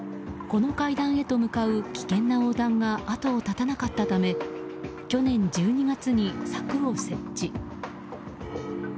この階段へと向かう危険な横断が後を絶たなかったため去年１２月に柵を設置。